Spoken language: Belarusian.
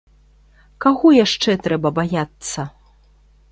Каго яшчэ трэба баяцца?